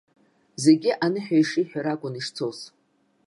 Зегьы аныҳәаҩ ишиҳәара акәын ишцоз.